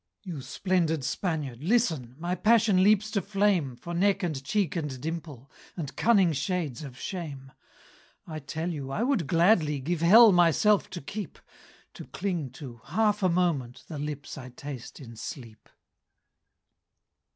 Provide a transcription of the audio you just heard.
You splendid Spaniard! Listen My passion leaps to flame For neck and cheek and dimple, And cunning shades of shame! I tell you, I would gladly Give Hell myself to keep, To cling to, half a moment, The lips I taste in sleep.